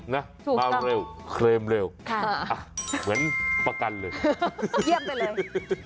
ถูกต้องคราวเร็วเคลมเร็วเหมือนประกันเลยยี่ยมไปเลย